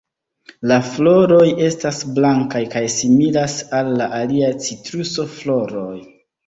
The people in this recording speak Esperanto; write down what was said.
La floroj estas blankaj kaj similas al la aliaj "Citruso"-floroj.